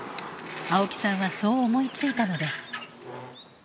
青木さんはそう思いついたのです。